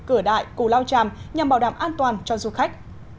cửa đại cù lao tràm nhằm bảo đảm an toàn cho du khách